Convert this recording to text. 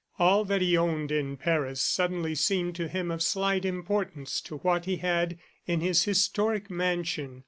All that he owned in Paris suddenly seemed to him of slight importance to what he had in his historic mansion.